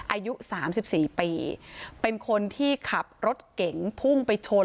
อายุสามสิบสี่ปีเป็นคนที่ขับรถเก๋งพุ่งไปชน